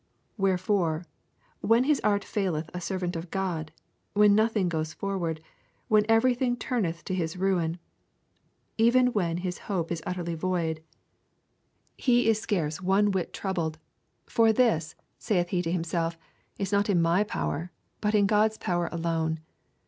Wherefore, when his art faileth a servant of God, when nothing goes forward, when everything turneth to his ruin, even when his hope is utterly void, he is scarce one whit troubled; for this, saith he to himself, is not in my power, but in God's power alone.